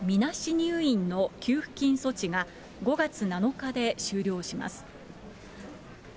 入院の給付金措置が、５月７日で終了します。